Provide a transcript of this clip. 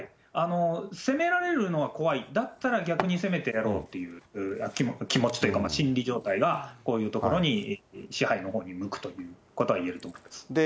攻められるのは怖い、だったら逆に攻めてやろうっていう気持ちというか、心理状態がこういうところに、支配のほうに向くということがいえると思います。